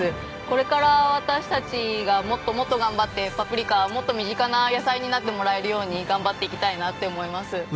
これから私たちがもっともっと頑張ってパプリカがもっと身近な野菜になってもらえるように頑張っていきたいなって思います。